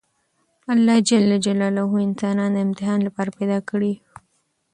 الله ج موږ انسانان د امتحان لپاره پیدا کړي یوو!